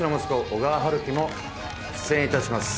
小川陽喜も出演いたします。